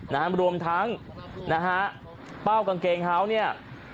นะฮะรวมทั้งนะฮะเป้ากางเกงเฮาส์เนี่ย